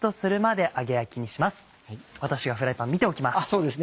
私がフライパン見ておきます。